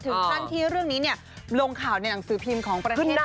ถึงขั้นที่เรื่องนี้ลงข่าวในหนังสือพิมพ์ของประเทศ